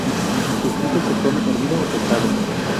Su fruto se come hervido o tostado.